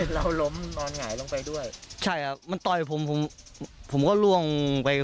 เราล้มนอนหงายลงไปด้วยใช่ครับมันต่อยผมผมผมก็ล่วงไป